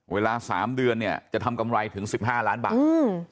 เวลา๓เดือนเนี่ยจะทำกำไรถึง๑๕ล้านบาท